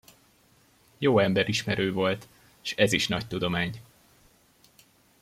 Jó emberismerő volt, s ez is nagy tudomány.